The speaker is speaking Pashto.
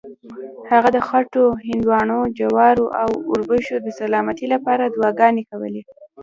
هغه د خټکو، هندواڼو، جوارو او اوربشو د سلامتۍ لپاره دعاګانې کولې.